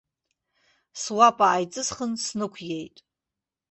Суапа ааиҵысхын снықәиеит.